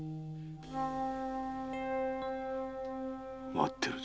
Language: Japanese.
待ってるぜ。